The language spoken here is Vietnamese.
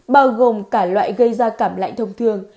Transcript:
bao gồm cả loại gây ra cảm lạnh thông thường